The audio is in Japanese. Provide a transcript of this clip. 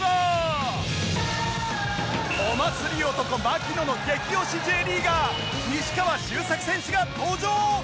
お祭り男槙野の激推し Ｊ リーガー西川周作選手が登場！